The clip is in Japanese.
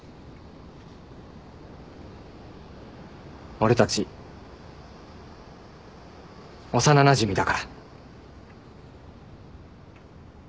俺たち幼なじみだから。